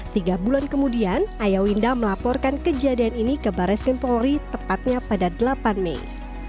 tiga bulan kemudian ayah winda melaporkan kejadian ini ke baris krim polri tepatnya pada delapan mei